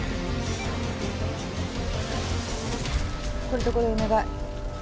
これとこれお願い。